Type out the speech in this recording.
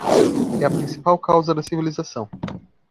É a principal causa da civilização